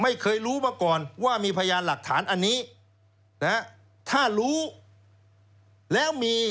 ไม่เคยรู้มาก่อนว่ามีพยานหลักฐานอันนี้นะฮะถ้ารู้แล้วมี